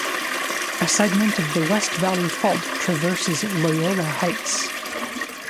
A segment of the West Valley Fault traverses Loyola Heights.